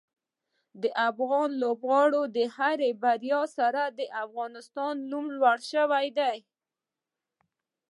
د افغان لوبغاړو د هرې بریا سره د افغانستان نوم لوړ شوی دی.